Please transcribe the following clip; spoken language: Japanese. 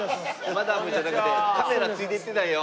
マダムじゃなくてカメラついていってないよ。